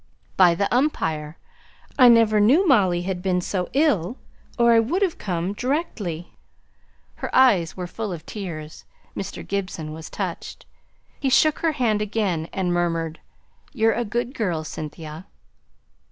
"By the 'Umpire.' I never knew Molly had been so ill, or I would have come directly." Her eyes were full of tears. Mr. Gibson was touched; he shook her hand again, and murmured, "You're a good girl, Cynthia."